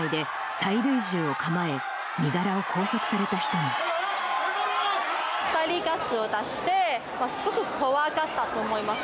催涙ガスを出して、すごく怖かったと思います。